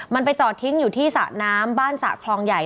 มันไปจอดทิ้งอยู่ที่สระน้ำบ้านสระคลองใหญ่